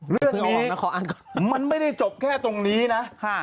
เรื่องนี้มันไม่ได้จบแค่ตรงนี้นะ